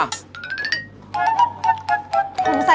ผมใส่ต้องใช้อ่ะ